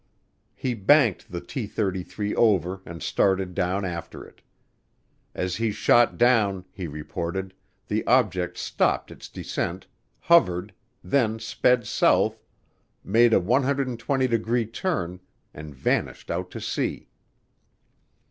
He banked the T 33 over and started down after it. As he shot down, he reported, the object stopped its descent, hovered, then sped south, made a 120 degree turn, and vanished out to sea.